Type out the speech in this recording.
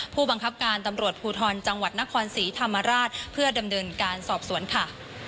ผู้บังคับการตำรวจภูทรจังหวัดนครศรีธรรมราชเพื่อดำเนินการสอบสวนค่ะ